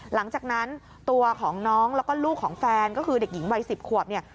หลังจากนั้นตัวของน้องแล้วก็ลูกของแฟนก็คือเด็กหญิงวัย๑๐ขวบเนี่ย